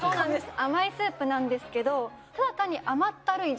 甘いスープなんですけど。